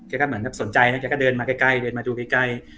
แกก็เหมือนแบบสนใจน่ะแกก็เดินมาใกล้ใกล้เดินมาดูใกล้ใกล้